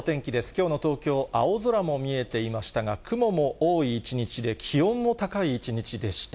きょうの東京、青空も見えていましたが、雲も多い一日で、気温も高い一日でした。